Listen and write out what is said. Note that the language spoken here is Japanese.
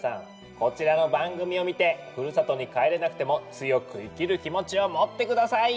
こちらの番組を見てふるさとに帰れなくても強く生きる気持ちを持って下さい！